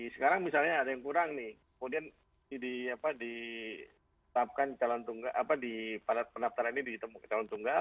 sekarang misalnya ada yang kurang nih kemudian ditetapkan pada pendaftaran ini di calon tunggal